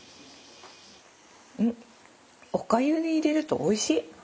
うんおかゆに入れるとおいしい。